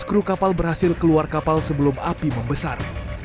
tiga belas kru kapal berhasil keluar kapal sebelum api membesar